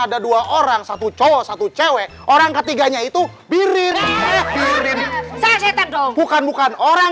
ada dua orang satu cowok satu cewek orang ketiganya itu birin bukan bukan orang